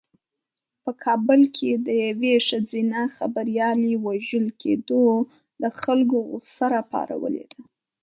په کابل کې د یوې ښځینه خبریالې وژل کېدو د خلکو غوسه راپارولې ده.